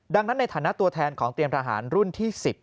ดังนั้นในฐานะตัวแทนของเตรียมทหารรุ่นที่๑๐